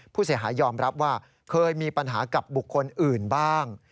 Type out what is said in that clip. ผู้เสียหายยอมรับว่าเคยมีปัญหากับบุคคลอื่นบ้าง